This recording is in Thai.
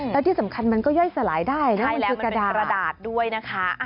แล้วที่สำคัญมันก็ย่อยสลายได้ใช่แล้วมันเป็นกระดาษด้วยนะคะ